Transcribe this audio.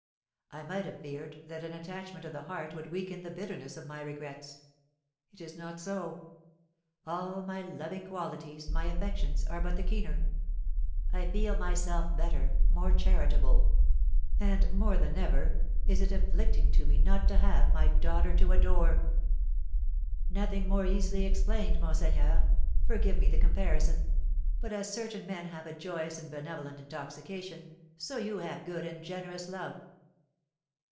I might have feared that an attachment of the heart would weaken the bitterness of my regrets. It is not so; all my loving qualities my affections are but the keener. I feel myself better, more charitable; and more than ever is it afflicting to me not to have my daughter to adore." "Nothing more easily explained, monseigneur, forgive me the comparison, but, as certain men have a joyous and benevolent intoxication, so you have good and generous love."